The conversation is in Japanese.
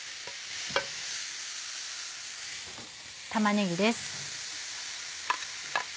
玉ねぎです。